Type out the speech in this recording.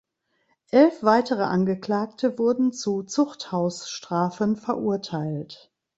Elf weitere Angeklagte wurden zu Zuchthausstrafen verurteilt.